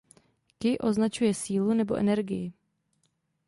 Ki označuje sílu nebo energii.